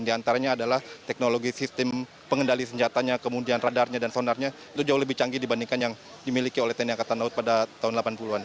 di antaranya adalah teknologi sistem pengendali senjatanya kemudian radarnya dan sonarnya itu jauh lebih canggih dibandingkan yang dimiliki oleh tni angkatan laut pada tahun delapan puluh an